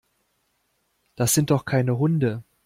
Das sind doch keine Hunde.